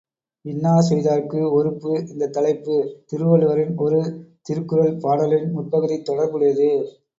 இன்னா செய்தார்க்கு ஒறுப்பு இந்தத் தலைப்பு, திருவள்ளுவரின் ஒரு திருக்குறள் பாடலின் முற்பகுதித் தொடர்புடையது.